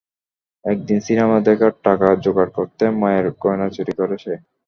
একদিন সিনেমা দেখার টাকা জোগাড় করতে মায়ের গয়না চুরি করে সে।